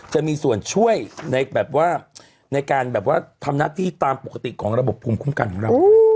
จะมีส่วนช่วยในแบบว่าในการแบบว่าทำหน้าที่ตามปกติของระบบภูมิคุ้มกันของเรา